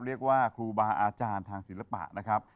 เรียกว่าครูบาอาจารย์ทางศิลปะนะครับ